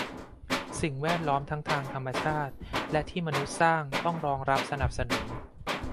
สิ่งแวดล้อมทั้งทางธรรมชาติและที่มนุษย์สร้างต้องรองรับสนับสนุน